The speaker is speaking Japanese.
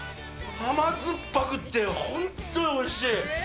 甘酸っぱくて、本当においしい。